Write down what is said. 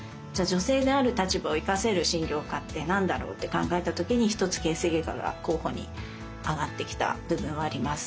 女性である立場を生かせる診療科って何だろうって考えた時に一つ形成外科が候補に挙がってきた部分はあります。